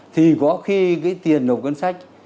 thì có khi cái tiền nộp ngân sách